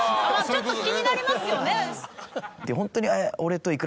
ちょっと気になりますよね。